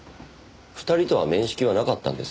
２人とは面識はなかったんですよね？